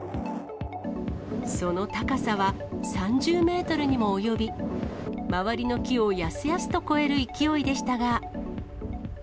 その高さは３０メートルにも及び、周りの木をやすやすとこえる勢いでしたが。